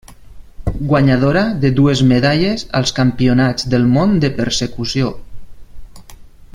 Guanyadora de dues medalles als Campionats del món de Persecució.